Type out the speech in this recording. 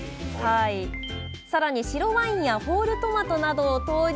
更に白ワインやホールトマトなどを投入。